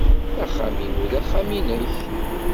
Axxam-inu d axxam-nnek.